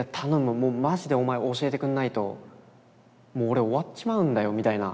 もうマジでお前教えてくんないともう俺終わっちまうんだよ」みたいな。